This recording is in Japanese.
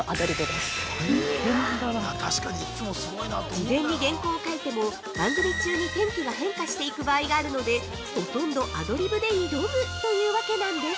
◆事前に原稿を書いても、番組中に天気が変化していく場合があるのでほとんどアドリブで挑むというわけなんです。